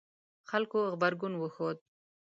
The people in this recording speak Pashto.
خلکو غبرګون وښود